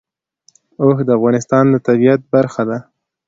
اوښ د افغانستان د طبیعت برخه ده.